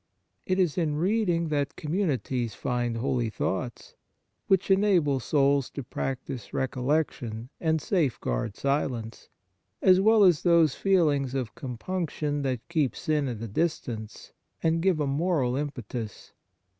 It is in reading that com munities find holy thoughts, which enable souls to practise recollection and safeguard silence, as well as those feelings of compunction that keep sin at a distance and give a moral impetus.